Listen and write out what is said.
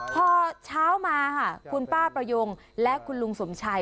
พอเช้ามาค่ะคุณป้าประยงและคุณลุงสมชัย